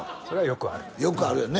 それはよくある。